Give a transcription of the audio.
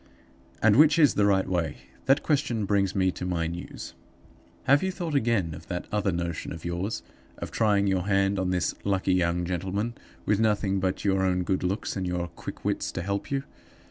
"And which is the right way? That question brings me to my news. "Have you thought again of that other notion of yours of trying your hand on this lucky young gentleman, with nothing but your own good looks and your own quick wits to help you?